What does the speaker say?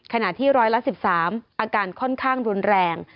ขณะที่ร้อยละ๑๓อาการค่อนข้างรุนแรง